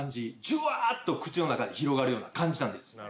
じゅわーっと口の中に広がるような感じなんです。